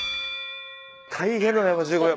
大変だね１５秒。